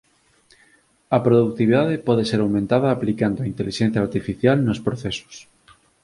A produtividade pode ser aumentada aplicando intelixencia artificial nos procesos